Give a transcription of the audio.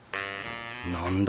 何だ？